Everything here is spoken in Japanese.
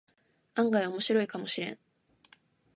案外オモシロイかもしれん